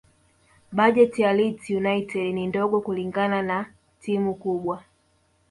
bajeti ya leeds united ni ndogo kulinganisha na timu kubwa